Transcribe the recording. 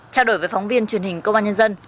trao đổi với phóng viên truyền hình công an nhân dân